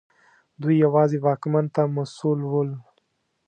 دوی یوازې واکمن ته مسوول ول.